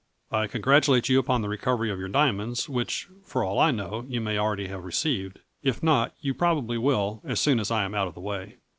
I congratulate you upon the recovery of your diamonds, which, for all I know you may already have received ; if not you probably will as soon as I am out of the way."